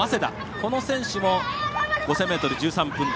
この選手も５０００ｍ１３分台。